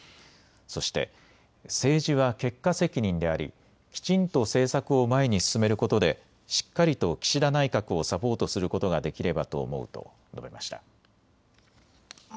そして政治は結果責任でありきちんと政策を前に進めることでしっかりと岸田内閣をサポートすることができればと思うと述べました。